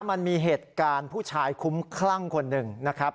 มันมีเหตุการณ์ผู้ชายคุ้มคลั่งคนหนึ่งนะครับ